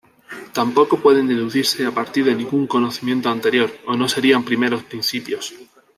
Tampoco pueden deducirse a partir de ningún conocimiento anterior, o no serían primeros principios.